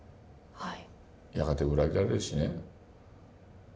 はい。